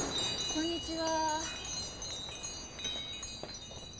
こんにちは。